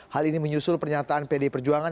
hal ini menyusul pernyataan pdi perjuangan